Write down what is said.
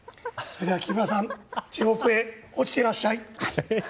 木村さん地獄へ落ちてらっしゃい。